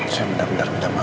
saya benar benar minta maaf